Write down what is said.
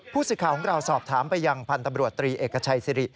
ผู้สื่อข่าวของเราสอบถามไปยังพันธบรวจตรีเอกชัยสิริ